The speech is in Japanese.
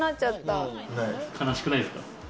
悲しくないですか？